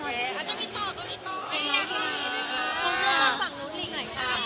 มาริยาลงไปละไหน